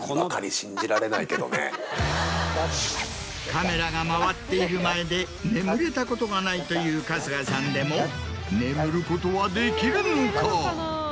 カメラが回っている前で眠れたことがないという春日さんでも眠ることはできるのか？